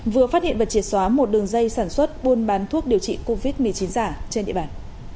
vừa phát hiện và triệt xóa một đường dây sản xuất buôn bán thuốc điều trị covid một mươi chín giả trên địa bàn